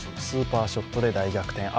スーパーショットで大逆転。